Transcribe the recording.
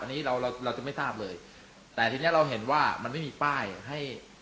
อันนี้เราเราเราจะไม่ทราบเลยแต่ทีเนี้ยเราเห็นว่ามันไม่มีป้ายให้